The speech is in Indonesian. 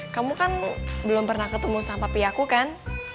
kamu kan belum pernah ketemu sama pihaku kan